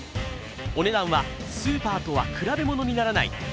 お値段はスーパーとは比べものにならない